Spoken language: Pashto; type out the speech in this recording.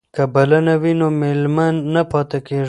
که بلنه وي نو مېلمه نه پاتې کیږي.